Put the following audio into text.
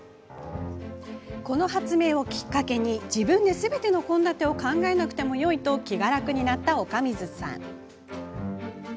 この発明をきっかけに自分ですべての献立を考えなくてもいいと気が楽になった岡水さん。